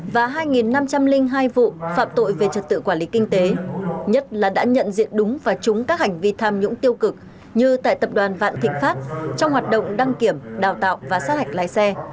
hai vụ phạm tội về trật tự quản lý kinh tế nhất là đã nhận diện đúng và trúng các hành vi tham nhũng tiêu cực như tại tập đoàn vạn thịnh pháp trong hoạt động đăng kiểm đào tạo và xác hạch lái xe